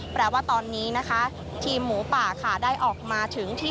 แปลว่าตอนนี้นะคะทีมหมูป่าค่ะได้ออกมาถึงที่